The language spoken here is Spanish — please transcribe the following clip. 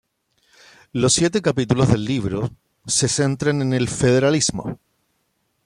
Los siete capítulos del libro se centran en el federalismo.